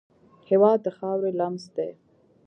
هېواد د خاورې لمس دی.